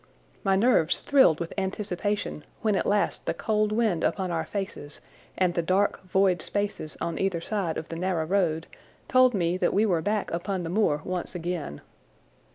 My nerves thrilled with anticipation when at last the cold wind upon our faces and the dark, void spaces on either side of the narrow road told me that we were back upon the moor once again.